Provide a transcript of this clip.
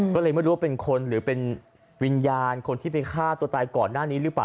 ก็เลยไม่รู้ว่าเป็นคนหรือเป็นวิญญาณคนที่ไปฆ่าตัวตายก่อนหน้านี้หรือเปล่า